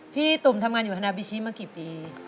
ตุ่มทำงานอยู่ฮานาบิชิมากี่ปี